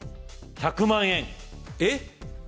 １００万円えっ？